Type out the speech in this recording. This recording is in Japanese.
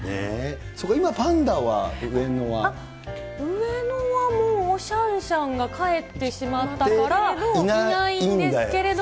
そうか、今、パンダは、上野はもうシャンシャンが帰ってしまったからいないんですけれども。